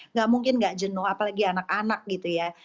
nggak mungkin nggak jenuh apalagi anak anak gitu ya